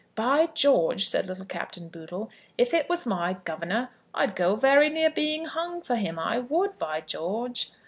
"By George!" said little Captain Boodle, "if it was my governor, I'd go very near being hung for him; I would, by George!"